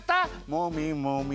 もみもみ。